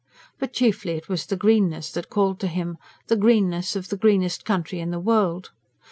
But chiefly it was the greenness that called to him the greenness of the greenest country in the world.